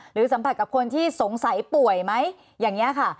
สัมผัสกับคนที่สงสัยป่วยไหมอย่างนี้ค่ะ